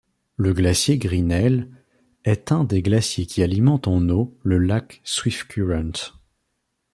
Le glacier Grinnell est un des glaciers qui alimente en eau le lac Swiftcurrent.